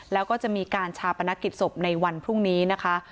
แล้วก็จะมีการชาปนกิจศพในวันพรุ่งนี้นะคะ